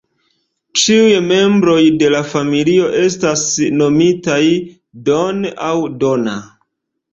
Ĉiuj membroj de la familio estas nomitaj "Don" aŭ "Donna".